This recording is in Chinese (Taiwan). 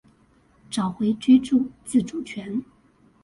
找回居住自主權